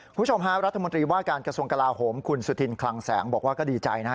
คุณผู้ชมฮะรัฐมนตรีว่าการกระทรวงกลาโหมคุณสุธินคลังแสงบอกว่าก็ดีใจนะฮะ